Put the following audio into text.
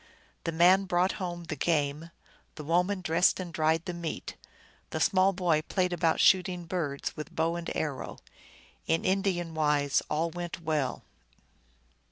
The man brought home the game, the woman dressed and dried the meat, the small boy played about shooting birds with bow and arrow ; in Indian wise all went well.